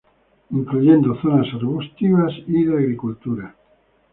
Incluyendo zonas arbustivas y de agricultura.